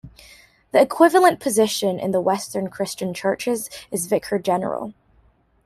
The equivalent position in the Western Christian churches is vicar general.